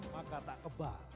maka tak kebal